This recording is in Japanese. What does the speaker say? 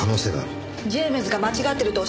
ジェームズが間違ってるとおっしゃるんでしょうか？